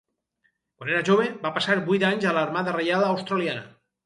Quan era jove, va passar vuit anys a l'Armada Reial Australiana.